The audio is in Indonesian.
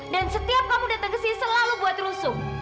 dan setiap kamu datang ke sini selalu buat rusuh